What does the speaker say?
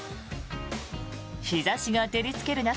日差しが照りつける中